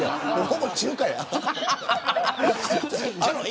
ほぼ中華やん。